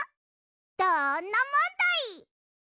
どんなもんだい！